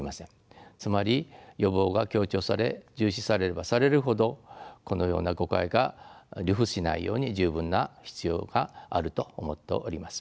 つまり予防が強調され重視されればされるほどこのような誤解が流布しないように十分な必要があると思っております。